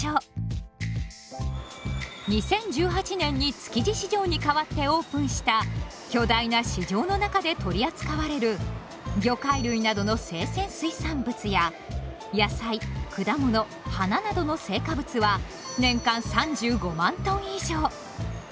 ２０１８年に築地市場にかわってオープンした巨大な市場の中で取り扱われる魚介類などの生鮮水産物や野菜・果物・花などの青果物は年間３５万トン以上。